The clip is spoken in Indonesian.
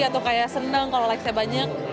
atau kayak senang kalau likes nya banyak